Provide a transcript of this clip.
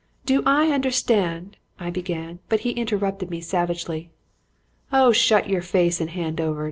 "'Do I understand ' I began; but he interrupted me savagely: "'Oh, shut yer face and hand over!